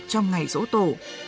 trong ngày rỗ tổ